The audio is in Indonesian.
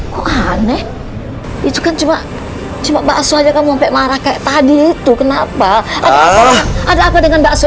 kok aneh itu kan cuma cuma bakso aja kamu sampai marah kayak tadi itu kenapa ada apa dengan bakso